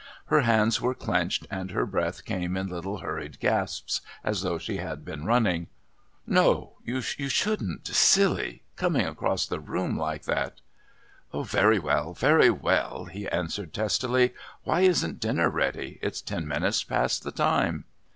Her hands were clenched and her breath came in little hurried gasps as though she had been running. "No you shouldn't...silly...coming across the room like that." "Very well, very well," he answered testily. "Why isn't dinner ready? It's ten minutes past the time."